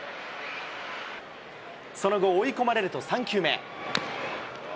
その後、追い込まれると３球目。